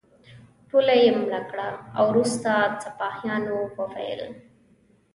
ټوله یې مړه کړه او وروسته سپاهیانو وویل.